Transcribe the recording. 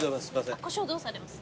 コショウどうされます？